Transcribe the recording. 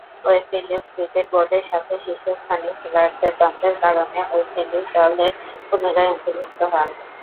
West Indies cricket বোর্ডের সাথে শীর্ষস্থানীয় খেলোয়াড়দের দ্বন্দ্বের কারণে ওয়েস্ট ইন্ডিজ দলে পুনরায় অন্তর্ভুক্ত হন।